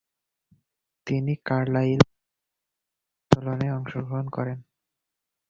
তিনি 'কার্লাইল সার্কুলার-বিরোধী আন্দোলনে অংশগ্রহণ করেন।